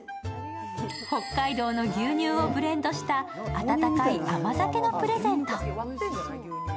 北海道の牛乳をブレンドした温かい甘酒のプレゼント。